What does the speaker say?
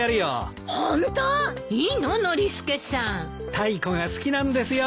タイコが好きなんですよ